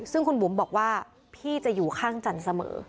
ซึ่งคุณบุ๋มบอกว่าพี่จะอยู่ข้างจันทร์เสมอ